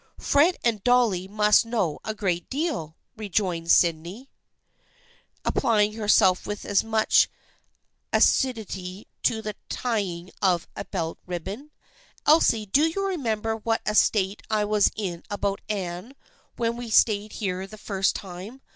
" Fred and Dolly must know a great deal," re joined Sydney, applying herself with much as THE FRIENDSHIP OF ANNE 325 siduity to the tying of a belt ribbon. " Elsie, do you remember what a state I was in about Anne, when we stayed here the first time